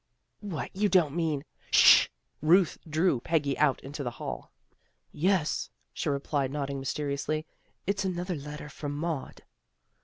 " What, you don't mean "" Sh! " Ruth drew Peggy out into the hall. ' Yes," she replied, nodding mysteriously. " It's another letter from Maud."